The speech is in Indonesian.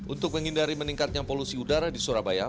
untuk menghindari meningkatnya polusi udara di surabaya